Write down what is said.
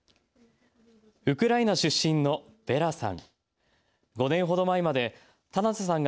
ウクライナ出身のヴェラさん。